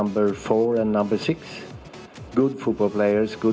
pemain yang bagus dengan berguna